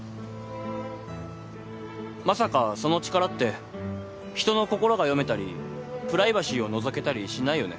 まさかその力って人の心が読めたりプライバシーをのぞけたりしないよね？